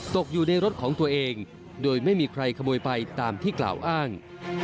ตกอยู่ในรถของตัวเองโดยไม่มีใครขโมยไปตามที่กล่าวอ้าง